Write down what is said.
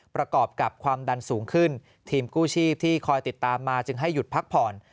ประกอบกับความดันสูงขึ้นทีมกู้ชีพที่คอยติดตามมาจึงให้หยุดพักผ่อน